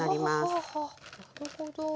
はなるほど。